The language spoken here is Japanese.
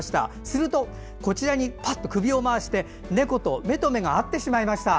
すると、こちらに首を回して猫と目と目が合ってしまいました。